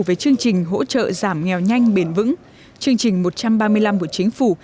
về chương trình hỗ trợ giảm nghèo nhanh bền vững chương trình một trăm ba mươi năm của chính phủ